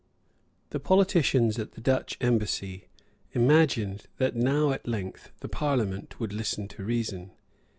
The politicians at the Dutch embassy imagined that now at length the parliament would listen to reason.